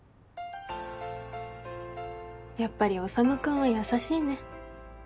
やっぱり修君は優しいね。